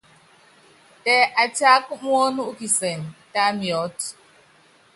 Tɛ atiáka muɔ́nu u kisɛŋɛ, tá miɔ́t.